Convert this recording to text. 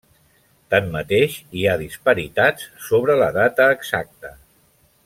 Tanmateix, hi ha disparitats sobre la data exacta.